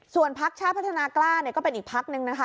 ส่วนพักชาติพัฒนากล้าเนี่ยก็เป็นอีกพักนึงนะคะ